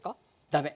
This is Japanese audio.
ダメ。